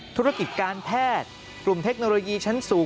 ธุรกิจการแพทย์กลุ่มเทคโนโลยีชั้นสูง